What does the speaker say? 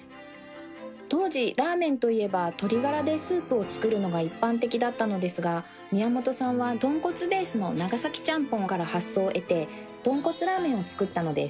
当時ラーメンといえば鶏ガラでスープを作るのが一般的だったのですが宮本さんはとんこつベースの長崎ちゃんぽんから発想を得てとんこつラーメンを作ったのです。